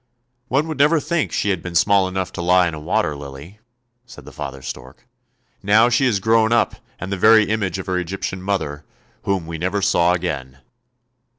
" One would never think that she had been small enough to lie in a water lily! " said the father stork. " Now she is grown up, and the very image of her Egyptian mother, whom we never saw again!